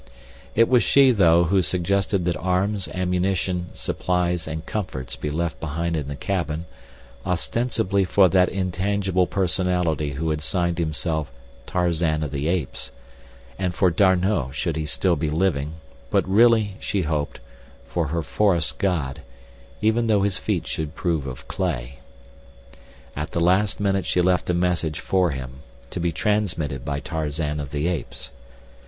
It was she, though, who suggested that arms, ammunition, supplies and comforts be left behind in the cabin, ostensibly for that intangible personality who had signed himself Tarzan of the Apes, and for D'Arnot should he still be living, but really, she hoped, for her forest god—even though his feet should prove of clay. And at the last minute she left a message for him, to be transmitted by Tarzan of the Apes.